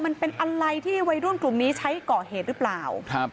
มันเป็นอะไรที่วัยรุ่นกลุ่มนี้ใช้ก่อเหตุหรือเปล่าครับ